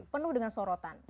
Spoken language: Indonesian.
penuh dengan sorotan